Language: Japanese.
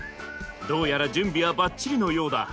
どうやら準備はばっちりのようだ。